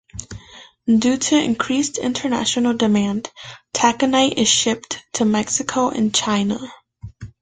Due to increased international demand, taconite is shipped to Mexico and China.